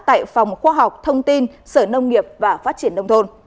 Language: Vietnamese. tại phòng khoa học thông tin sở nông nghiệp và phát triển nông thôn